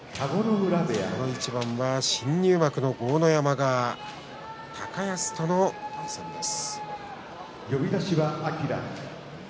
この一番、新入幕の豪ノ山と高安との対戦です。